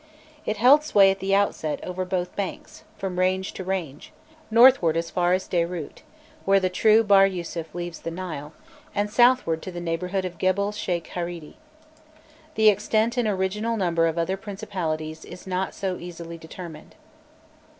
It held sway, at the outset, over both banks, from range to range, northward as far as Deyrût, where the true Bahr Yusuf leaves the Nile, and southward to the neighbourhood of Gebel Sheikh Haridi. The extent and original number of the other principalities is not so easily determined.